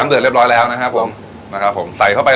เดือดเรียบร้อยแล้วนะครับผมนะครับผมใส่เข้าไป